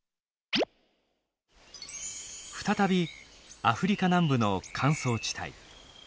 再びアフリカ南部の乾燥地帯。